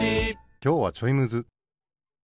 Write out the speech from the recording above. きょうはちょいむず。